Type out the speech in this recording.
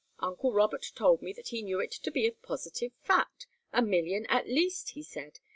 Uncle Robert told me that he knew it to be a positive fact a million, at least, he said.